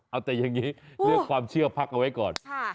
เอาแต่อย่างนี้เรื่องความเชื่อพักเอาไว้ก่อน